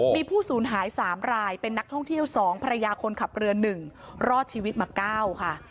มีผู้สูญหาย๓รายเป็นนักท่องเที่ยว๒ภรรยาคนขับเรือ๑รอดชีวิตมา๙ค่ะ